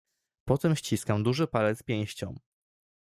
"„Potem ściskam duży palec pięścią."